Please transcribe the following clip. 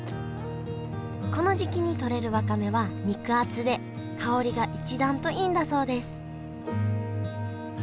この時期に採れるわかめは肉厚で香りが一段といいんだそうです